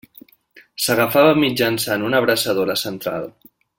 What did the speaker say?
S'agafava mitjançant una abraçadora central.